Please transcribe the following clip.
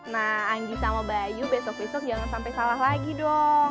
nah andi sama bayu besok besok jangan sampai salah lagi dong